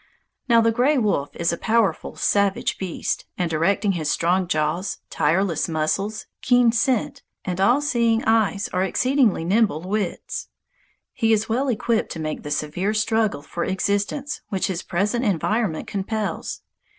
Now the gray wolf is a powerful, savage beast, and directing his strong jaws, tireless muscles, keen scent, and all seeing eyes are exceedingly nimble wits. He is well equipped to make the severe struggle for existence which his present environment compels.